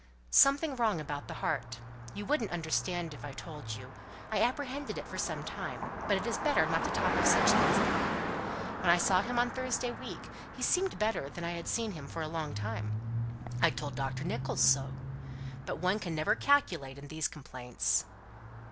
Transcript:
"Something wrong about the heart. You wouldn't understand if I told you. I apprehended it for some time; but it's better not to talk of such things at home. When I saw him on Thursday week, he seemed better than I've seen him for a long time. I told Dr. Nicholls so. But one never can calculate in these complaints."